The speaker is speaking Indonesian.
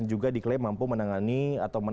juga diklaim mampu menangkalkan sinar ultraviolet